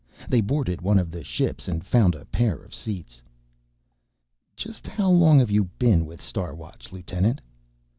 They boarded one of the ships and found a pair of seats. "Just how long have you been with the Star Watch, lieutenant?"